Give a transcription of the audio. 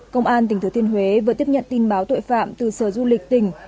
công an tỉnh thừa thiên huế vừa tiếp nhận tin báo tội phạm từ sở du lịch tỉnh